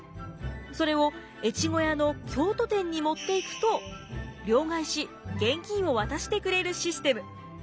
それを越後屋の京都店に持っていくと両替し現金を渡してくれるシステム。